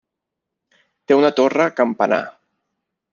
Té una torre campanar.